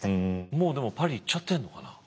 もうでもパリ行っちゃってんのかな？